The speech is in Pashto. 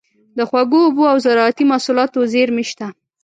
د خوږو اوبو او زارعتي محصولاتو زیرمې شته.